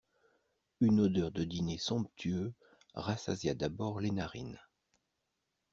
Une odeur de dîner somptueux rassasia d'abord les narines.